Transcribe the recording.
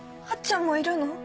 あっちゃんもいるの？